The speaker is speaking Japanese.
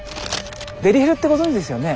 デリヘルってご存じですよね？